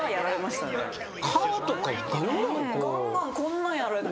ガンガンこんなんやられて。